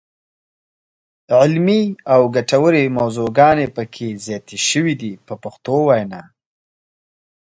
علمي او ګټورې موضوعګانې پکې زیاتې شوې دي په پښتو وینا.